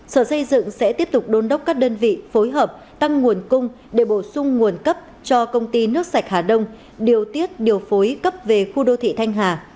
sở xây dựng sẽ tiếp tục đôn đốc các đơn vị phối hợp tăng nguồn cung để bổ sung nguồn cấp cho công ty nước sạch hà đông điều tiết điều phối cấp về khu đô thị thanh hà